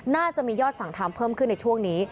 น่าจะมียอดสั่งทำเพิ่มขึ้นในช่วงนี้